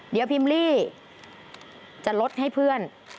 เดี๋ยวพิมลี่จะลดให้เพื่อน